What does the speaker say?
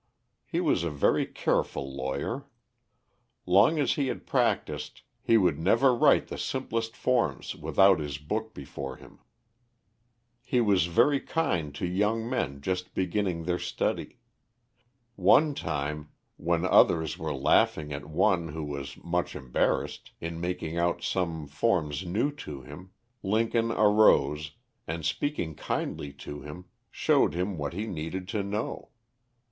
He was a very careful lawyer. Long as he had practiced, he would never write the simplest forms without his book before him. He was very kind to young men just beginning their study. One time, when others were laughing at one who was much embarrassed, in making out some forms new to him, Lincoln arose, and speaking kindly to him, showed him what he needed to know.